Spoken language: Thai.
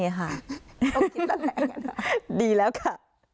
ต้องคิดต่อแหละดีแล้วค่ะ